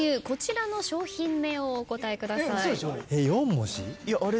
こちらの商品名をお答えください。